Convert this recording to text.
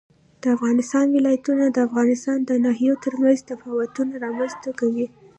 د افغانستان ولايتونه د افغانستان د ناحیو ترمنځ تفاوتونه رامنځ ته کوي.